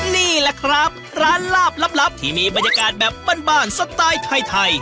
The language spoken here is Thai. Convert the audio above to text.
นี่แหละครับร้านลาบลับที่มีบรรยากาศแบบบ้านสไตล์ไทย